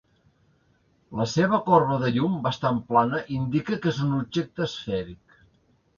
La seva corba de llum, bastant plana, indica que és un objecte esfèric.